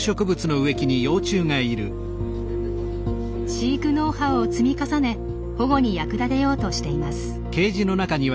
飼育ノウハウを積み重ね保護に役立てようとしています。